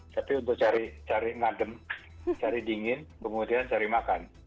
tapi untuk cari ngadem cari dingin kemudian cari makan